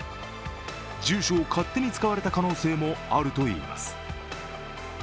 住所を勝手に使われた可能性もあるといいます。